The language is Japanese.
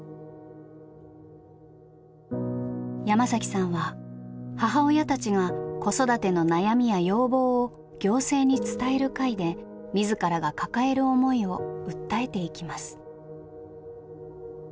山さんは母親たちが子育ての悩みや要望を行政に伝える会で自らが抱える思いを訴えていきます。